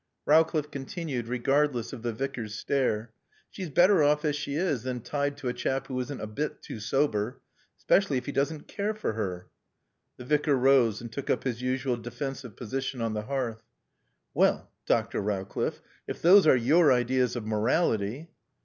Rowcliffe continued, regardless of the Vicar's stare: "She's better off as she is than tied to a chap who isn't a bit too sober. Especially if he doesn't care for her." The Vicar rose and took up his usual defensive position on the hearth. "Well, Dr. Rowcliffe, if those are your ideas of morality